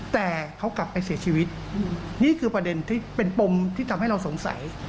แต่เขากลับไปเสียชีวิตนี่คือประเด็นที่เป็นปมที่ทำให้เราสงสัย